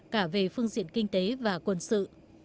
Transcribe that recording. cả về phương diện kinh tế và quân sự